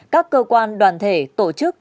các cơ quan đoàn thể tổ chức